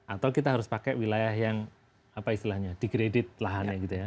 atau kita harus pakai wilayah yang apa istilahnya dikredit lahannya gitu ya